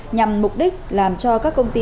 nhằm mục đích làm cho các công ty